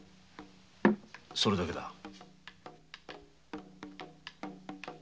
それだけだ。